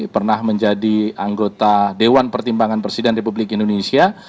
pernah menjadi anggota dewan pertimbangan presiden republik indonesia